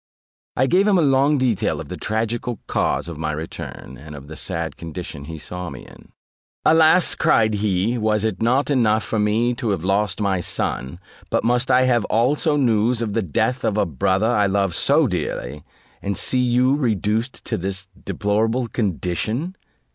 I gave him a long detail of the tragical cause of my return, and of the sad condition he saw me in. "Alas!" cried he, "was it not enough for me to have lost my son, but must I have also news of the death of a brother I loved so dearly, and see you reduced to this deplorable condition?"